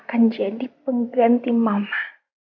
kita pisah dulu ya